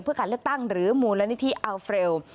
เพื่อการเลือกตั้งหรือมูลนิธิอัลเฟรล